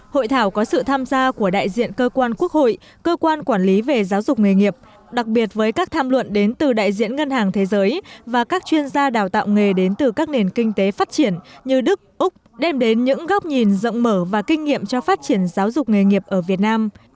hội thảo có sự tham gia của đại diện cơ quan quốc hội cơ quan quản lý về giáo dục nghề nghiệp đặc biệt với các tham luận đến từ đại diện ngân hàng thế giới và các chuyên gia đào tạo nghề đến từ các nền kinh tế phát triển như đức úc đem đến những góc nhìn rộng mở và kinh nghiệm cho phát triển giáo dục nghề nghiệp ở việt nam